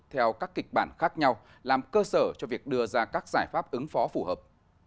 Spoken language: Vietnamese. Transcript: theo các kịch bản khác nhau làm cơ sở cho việc đưa ra các giải pháp ứng phó phù hợp